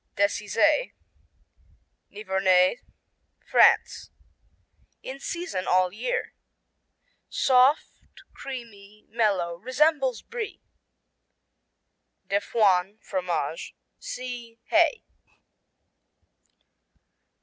Decize Nivernaise, France In season all year. Soft, creamy, mellow, resembles Brie. de Foin, Fromage see Hay.